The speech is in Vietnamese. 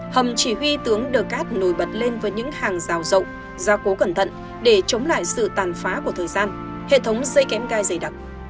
hầm chỉ huy tướng được cát nổi bật lên với những hàng rào rộng gia cố cẩn thận để chống lại sự tàn phá của thời gian